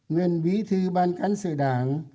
nguyên bí thư ban cán sự đảng